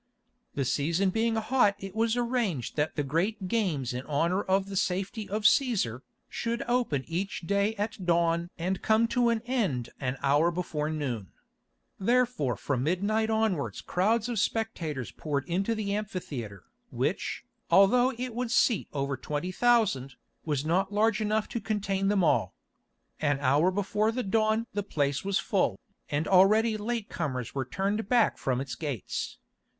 The season being hot it was arranged that the great games in honour of the safety of Cæsar, should open each day at dawn and come to an end an hour before noon. Therefore from midnight onwards crowds of spectators poured into the amphitheatre, which, although it would seat over twenty thousand, was not large enough to contain them all. An hour before the dawn the place was full, and already late comers were turned back from its gates.